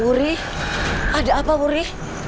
wuri ada apa wuri